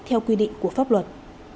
theo quy định của pháp luật